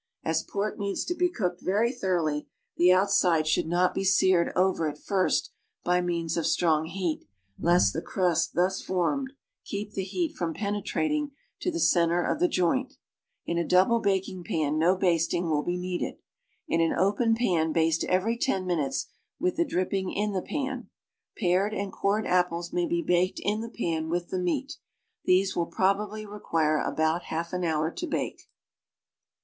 .'\s pork needs to be cooked very thoroughly, the outside should not be seared over at first by means of strong heat, lest the crust thus formed keep the heat from penetrating to the center of the joint. In a double baking pan no basting will be needed. In an open pan baste every ten minutes with the dripping in the pan. Pared and cored apples may be baked in the pan with the meat. These will probably require .ibout half an hour to bake.